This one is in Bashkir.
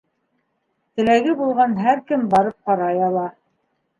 Теләге булған һәр кем барып ҡарай ала.